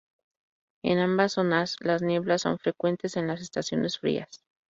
En ambas zonas las nieblas son frecuentes en las estaciones frías.